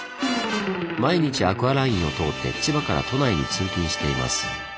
毎日アクアラインを通って千葉から都内に通勤しています。